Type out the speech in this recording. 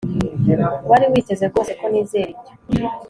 Wari witeze rwose ko nizera ibyo